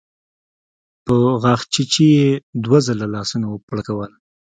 په غاښچيچي يې دوه ځله لاسونه وپړکول.